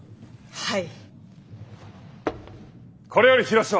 はい！